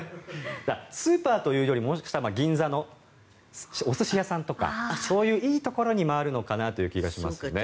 スーパーというより銀座のお寿司屋さんとかそういういいところに回るのかなという気がしますね。